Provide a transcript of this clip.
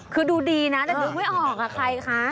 คือดูดีนะแต่นึกไม่ออกค่ะใครคะ